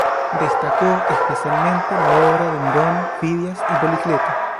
Destacó especialmente la obra de Mirón, Fidias y Policleto.